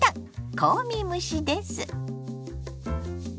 香味蒸しです。